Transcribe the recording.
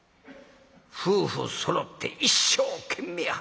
夫婦そろって一生懸命働く。